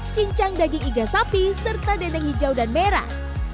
cincang daging iga sapi serta dendeng hijau dan merah